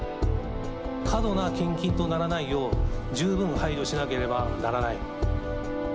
過度な献金とならないよう、十分配慮しなければならない。